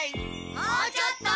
もうちょっと！